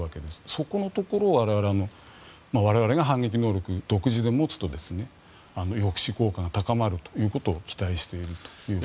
そこのところを我々が反撃能力を独自で持つと抑止効果が高まるということを期待しているという。